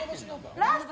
ラスト。